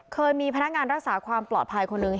เคยมีพนักงานรักษาความปลอดภัยคนหนึ่ง